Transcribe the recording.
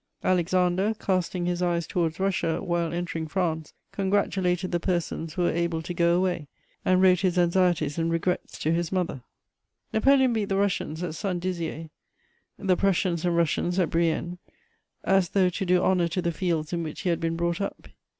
Alexander, casting his eyes towards Russia while entering France, congratulated the persons who were able to go away, and wrote his anxieties and regrets to his mother. [Sidenote: His campaign in France.] Napoleon beat the Russians at Saint Dizier, the Prussians and Russians at Brienne, as though to do honour to the fields in which he had been brought up.